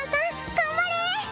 頑張れ！